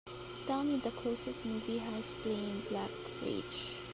Tell me the closest movie house playing Black Rage